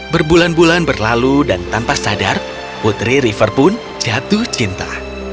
berbulan bulan berlalu dan tanpa sadar putri river pun jatuh cinta